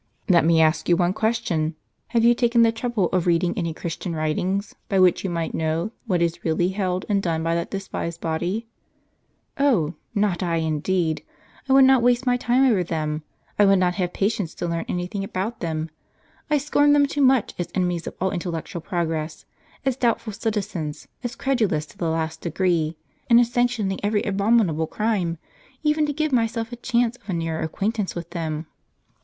"Let me ask you one question. Have you taken the trouble of reading any Chiistian writings, by which you might know what is really held and done by that despised body? " "Oh, not I indeed ; I would not waste my time over them ; I could not have patience to learn any thing about them. I scorn them too much, as enemies of all intellectual progress, as doubtful citizens, as credulous to the last degree, and as sanctioning every abominable crime, ever to give myself a chance of a nearer acquaintance with them."